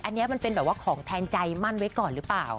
อันนี้มันเป็นแบบว่าของแทนใจมั่นไว้ก่อนหรือเปล่า